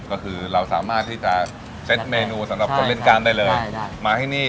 ก็คือเราสามารถที่จะเซ็ตเมนูสำหรับคนเล่นก้านได้เลยมาที่นี่